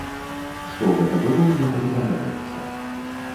Што гэта было, не паведамляецца.